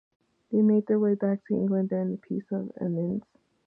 They made their way back to England during the Peace of Amiens.